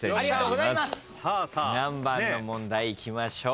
何番の問題いきましょう？